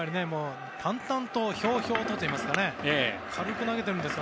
淡々とひょうひょうとと言いますか軽く投げているんですよ。